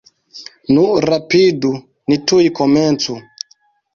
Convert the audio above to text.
Nu, rapidu, ni tuj komencu!